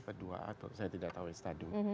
kalau satu b atau dua a saya tidak tahu itu stadium